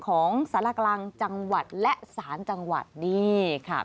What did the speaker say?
ของสารกลางจังหวัดและสารจังหวัดนี่ค่ะ